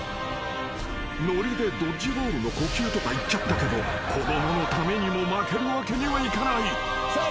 ［ノリでドッジボールの呼吸とか言っちゃったけど子供のためにも負けるわけにはいかない］